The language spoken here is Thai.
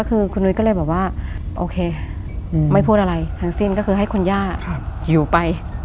คือคุณนุ้ยก็เลยบอกว่าโอเคไม่พูดอะไรทั้งสิ้นก็คือให้คุณย่าอยู่ไป